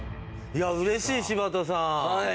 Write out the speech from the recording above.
いや嬉しい柴田さん！